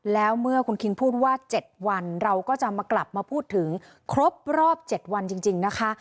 แล้วเมื่อคุณคิงพูดว่า๗วันเราก็จะมากลับมาพูดถึงครบรอบ๗วันจริงนะคะ